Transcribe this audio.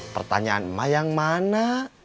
pertanyaan emak yang mana